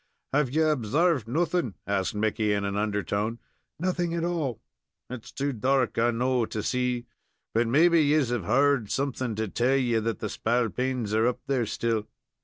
"Have ye observed nothing?" asked Mickey, in an undertone. "Nothing at all." "It's too dark I know, to see, but mebbe yees have heerd something to tell ye that the spalpeens are up there still."